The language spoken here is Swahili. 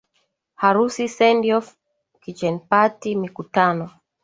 harusi send off kitchen party mikutano